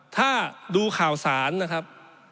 ถ้าดูข่าวสารนะครับ